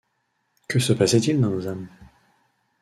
Que se passait-il dans nos âmes?